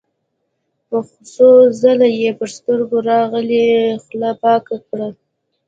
څو ځله يې پر سترګو لاغلې خوله پاکه کړه.